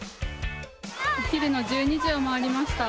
お昼の１２時を回りました。